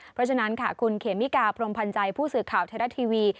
เพราะฉะนั้นค่ะคุณเขมิกาพรมพันธ์ใจผู้สื่อข่าวไทยรัฐทีวี